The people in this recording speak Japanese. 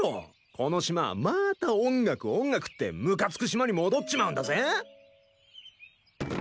この島はまた音楽音楽ってムカつく島に戻っちまうんだぜ？